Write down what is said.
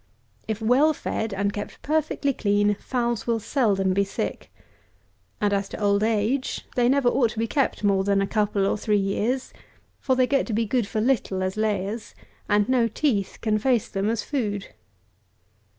If well fed, and kept perfectly clean, fowls will seldom be sick; and, as to old age, they never ought to be kept more than a couple or three years; for they get to be good for little as layers, and no teeth can face them as food.